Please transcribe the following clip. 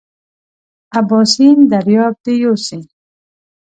اباسین دریاب دې یوسي.